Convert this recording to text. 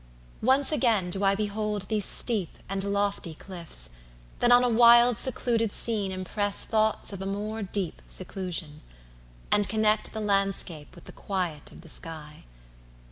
–Once again Do I behold these steep and lofty cliffs, That on a wild secluded scene impress Thoughts of more deep seclusion; and connect The landscape with the quiet of the sky.